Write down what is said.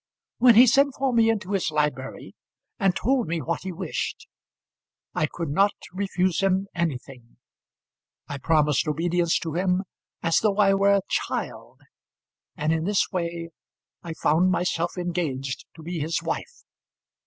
When he sent for me into his library and told me what he wished, I could not refuse him anything. I promised obedience to him as though I were a child; and in this way I found myself engaged to be his wife.